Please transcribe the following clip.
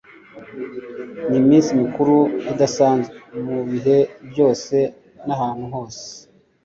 n'iminsi mikuru idasanzwe. Mu bihe byose n'ahantu hose,